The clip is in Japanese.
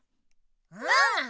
うん！